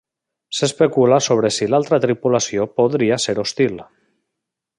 S'especula sobre si l'altra tripulació podria ser hostil.